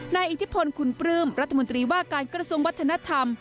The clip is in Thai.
อิทธิพลคุณปลื้มรัฐมนตรีว่าการกระทรวงวัฒนธรรม